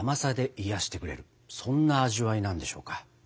そんな味わいなんでしょうか。